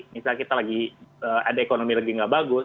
misalnya kita lagi ada ekonomi lagi nggak bagus